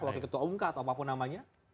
wakil ketua umum kah atau apapun namanya